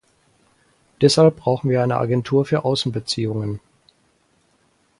Deshalb brauchen wir eine Agentur für Außenbeziehungen.